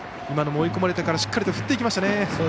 今のも追い込まれてからしっかりと振っていきましたね。